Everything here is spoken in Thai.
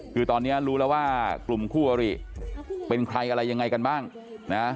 คือตอนนี้รู้แล้วว่ากลุ่มคู่อริเป็นใครอะไรยังไงกันบ้างนะ